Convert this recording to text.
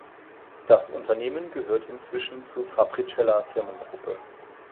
Das Unternehmen gehört inzwischen zur Fapricela-Firmengruppe.